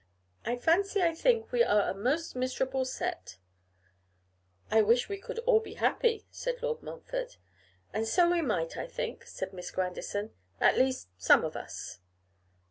I fancy I think we are a most miserable set.' 'I wish we could be all happy,' said Lord Montfort. 'And so we might, I think,' said Miss Grandison; 'at least, some of us.